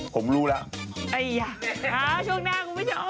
ผมรู้แล้วอ้าวช่วงหน้าผมไม่ชอบ